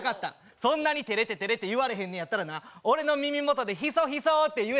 そんなに照れて照れて言われへんやったらな俺の耳元で、ひそひそって言え。